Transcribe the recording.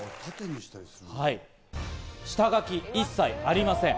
下描き、一切ありません。